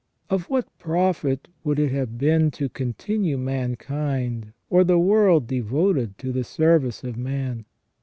Of what profit would it have been to continue mankind, or the world devoted to the service of man